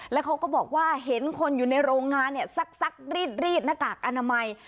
แล้วเขาก็บอกว่าเห็นคนอยู่ในโรงงานเนี่ยซักรีดหน้ากากอนามัย